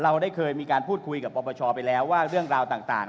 เราได้เคยพูดคุยกับปวปชไปแล้วเรื่องราวต่าง